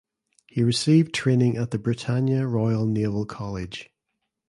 He received training at the Britannia Royal Naval College.